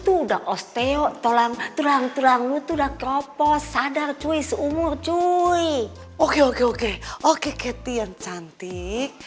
sudah osteo tolong tulang tulang mutu daqropo sadar cuy seumur cuy oke oke oke oke ketian cantik